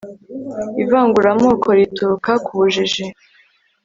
ivanguramoko rituruka ku bujiji